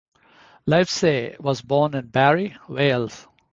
Livesey was born in Barry, Wales.